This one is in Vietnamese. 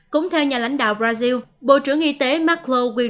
cũng theo nhà lãnh đạo brazil bộ trưởng y tế marco uyroga sẽ tiết lộ cách thức nước này